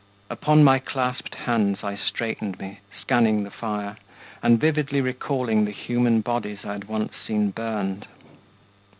Upon my clasped hands I straightened me, Scanning the fire, and vividly recalling The human bodies I had once seen burned.